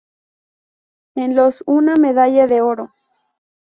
En los una medalla de oro.